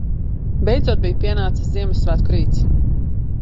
Beidzot bija pienācis Ziemassvētku rīts.